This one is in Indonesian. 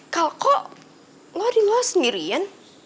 kal kok lo di luar sendirian